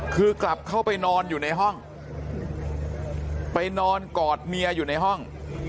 คือกลับเข้าไปนอนอยู่ในห้องไปนอนกอดเมียอยู่ในห้อง